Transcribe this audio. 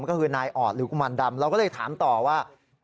ก็คือนายออดหรือกุมารดำเราก็เลยถามต่อว่า